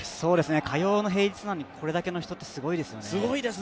火曜の平日なのにこれだけの人ってすごいですよね。